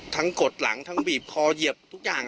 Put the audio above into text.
กดหลังทั้งบีบคอเหยียบทุกอย่าง